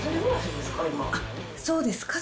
そうです。